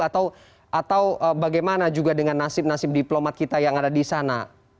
atau bagaimana juga dengan nasib nasib diplomat kita yang ada di sana